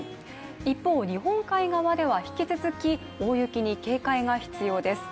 一方、日本海側では引き続き大雪に警戒が必要です。